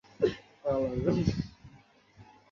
এখন তাহলে উঠি।